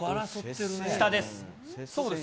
下です。